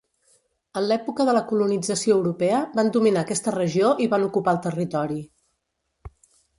En l'època de la colonització europea, van dominar aquesta regió i van ocupar el territori.